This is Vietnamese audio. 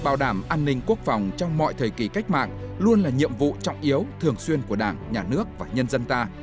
bảo đảm an ninh quốc phòng trong mọi thời kỳ cách mạng luôn là nhiệm vụ trọng yếu thường xuyên của đảng nhà nước và nhân dân ta